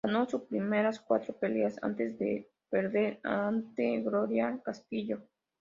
Ganó sus primeras cuatro peleas, antes de perder ante Gloria Castillo.